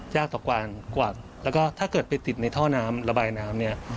ยากต่อกว่าแล้วก็ถ้าเกิดไปติดในท่อน้ำระบายน้ำเนี่ย